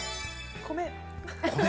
米？